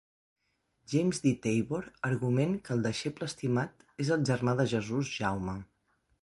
James D. Tabor argument que el deixeble estimat és el germà de Jesús, Jaume.